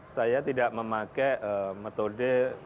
saya tidak memakai metode